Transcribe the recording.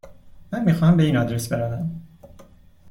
من میخواهم به این آدرس بروم.